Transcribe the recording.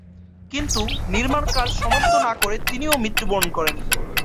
কিন্তু, নির্মাণ কাজ সমাপ্ত না করে তিনিও মৃত্যু বরণ করেন।